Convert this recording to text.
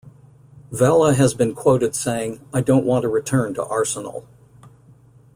Vela has been quoted saying, I don't want to return to Arsenal.